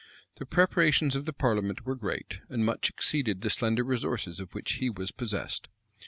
The preparations of the parliament were great, and much exceeded the slender resources of which he was possessed.